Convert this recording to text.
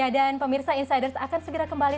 ya dan pemirsa insiders akan segera kembali